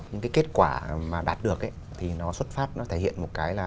những cái kết quả mà đạt được thì nó xuất phát nó thể hiện một cái là